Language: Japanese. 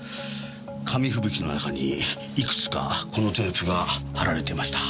紙吹雪の中にいくつかこのテープが張られてました。